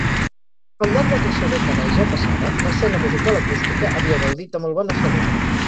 Al llarg d'aqueixa dècada ja passada, l'escena musical acústica havia gaudit de molt bona salut.